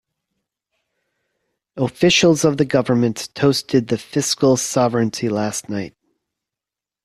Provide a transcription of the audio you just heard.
Officials of the government toasted the fiscal sovereignty last night.